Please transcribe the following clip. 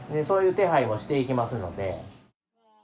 そういう手配もしていきますので。